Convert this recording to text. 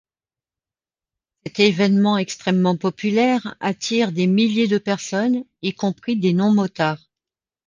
Cet événement extrêmement populaire attire des milliers de personnes, y compris des non-motards.